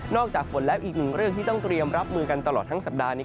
จากฝนแล้วอีกหนึ่งเรื่องที่ต้องเตรียมรับมือกันตลอดทั้งสัปดาห์นี้